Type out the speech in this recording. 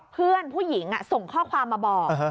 เพื่อนผู้หญิงส่งข้อความมาบอก